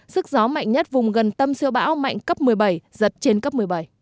sức gió mạnh nhất vùng gần tâm siêu bão mạnh cấp một mươi bảy giật trên cấp một mươi bảy